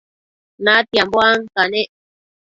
natianbo ancanec